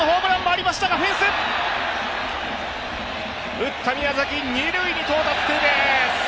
打った宮崎、二塁に到達、ツーベース。